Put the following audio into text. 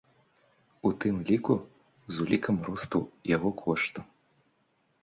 У тым ліку з улікам росту яго кошту.